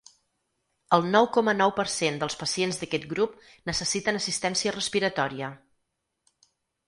El nou coma nou per cent dels pacients d’aquest grup necessiten assistència respiratòria.